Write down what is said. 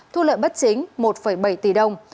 thu lợi bất chính một bảy tỷ đồng